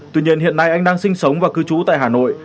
tuy nhiên hiện nay anh đang sinh sống và cư trú tại hà nội